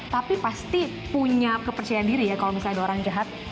tapi pasti punya kepercayaan diri ya kalau misalnya ada orang jahat